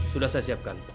sudah saya siapkan